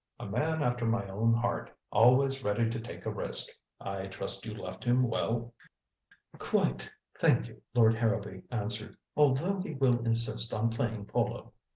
A man after my own heart. Always ready to take a risk. I trust you left him well?" "Quite, thank you," Lord Harrowby answered. "Although he will insist on playing polo.